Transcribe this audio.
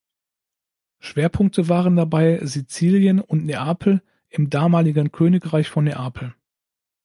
Schwerpunkte waren dabei Sizilien und Neapel im damaligen Königreich von Neapel.